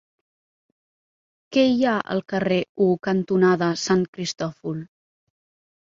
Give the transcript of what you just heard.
Què hi ha al carrer U cantonada Sant Cristòfol?